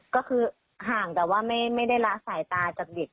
ก็คือห่างแต่ว่าไม่ได้ละสายตาจากเด็ก